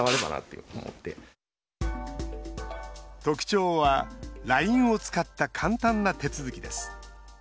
特徴はＬＩＮＥを使った簡単な手続きです。